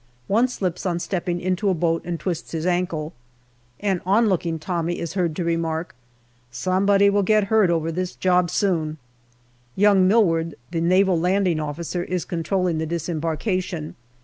One slips on stepping into a boat and twists his ankle. An onlooking Tommy is heard to remark, " Somebody will get hurt over this job soon/' Young Milward, the Naval Landing Officer, is controlling the disembarkation.